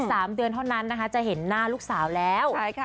สามเดือนเท่านั้นนะคะจะเห็นหน้าลูกสาวแล้วใช่ค่ะ